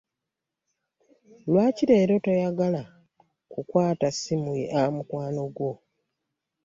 Lwaki leero toyagala ku kwaata ssimu ya mukwano gwo?